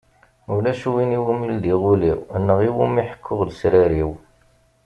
Ulac win i wumi ldiɣ ul-iw neɣ i wumi ḥekkuɣ lesrar-iw.